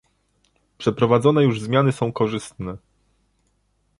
Przeprowadzone już zmiany są korzystne